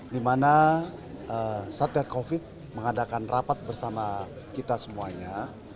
di mana satgas covid mengadakan rapat bersama kita semuanya